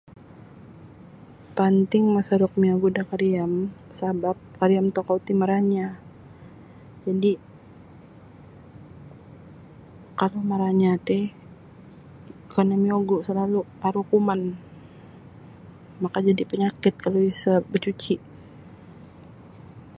Panting misaruk miogu da kariam sabab mariam tokou ti maranyah jadi kan maranyah ti kana miogu salalu aru kuman makajadi penyakit kalau isa bacuci.